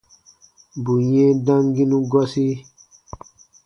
Bù yɛ̃ɛ damginu gɔsi.